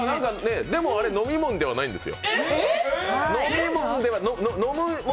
でも、飲み物ではないんですよ。